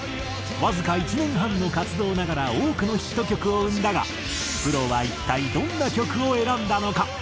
わずか１年半の活動ながら多くのヒット曲を生んだがプロは一体どんな曲を選んだのか？